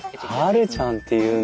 美ちゃんっていうんだ。